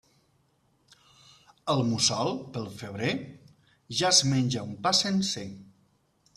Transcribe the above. El mussol, pel febrer, ja es menja un pa sencer.